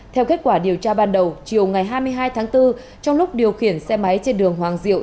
theo kết quả điều tra ban đầu chiều ngày hai mươi hai tháng bốn trong lúc điều khiển xe máy trên đường hoàng diệu